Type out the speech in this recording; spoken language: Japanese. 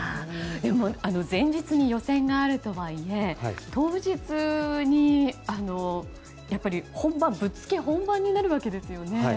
前日に予選があるとはいえ当日にぶっつけ本番になるわけですよね。